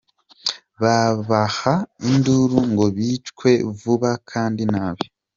Babaha induru ngo bicwe vuba kandi nabi